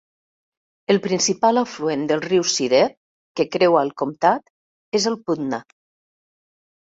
El principal afluent del riu Siret, que creua el comtat, és el Putna.